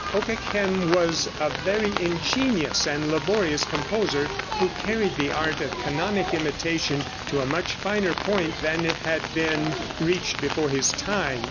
Okeghem was a very ingenious and laborious composer, who carried the art of canonic imitation to a much finer point than had been reached before his time.